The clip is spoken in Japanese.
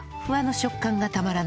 食感がたまらない